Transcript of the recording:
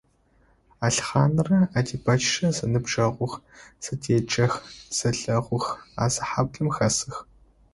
Алхъанрэ Адибэчрэ зэныбджэгъух, зэдеджэх, зэлэгъух, а зы хьаблэм хэсых.